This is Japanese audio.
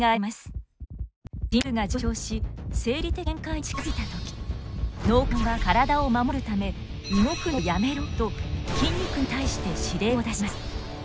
心拍数が上昇し生理的限界に近づいた時脳幹は体を守るため「動くのをやめろ！」と筋肉に対して指令を出します。